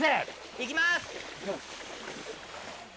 行きます！